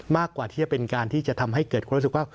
มากกว่าที่จะเป็นการที่จะทำให้เกิดความรู้สึกว่า